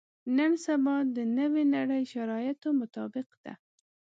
نن سبا د نوې نړۍ شرایطو مطابق ده.